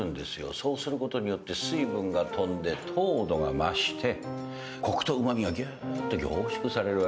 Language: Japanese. そうすることによって水分が飛んで糖度が増してコクとうま味がぎゅーっと凝縮されるわけです。